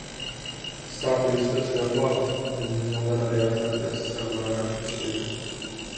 Sāku justies ļoti labi un nu varu arī atļauties sev vairāk kustības.